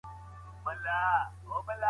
لوړ فکر انسان لوړو پوړونو ته رسوي.